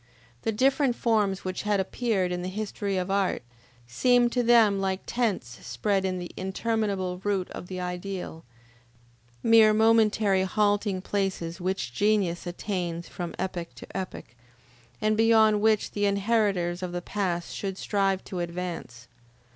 The different forms which had appeared in the history of art, seemed to them like tents spread in the interminable route of the ideal; mere momentary halting places which genius attains from epoch to epoch, and beyond which the inheritors of the past should strive to advance.